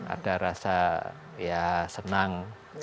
ada rasa senang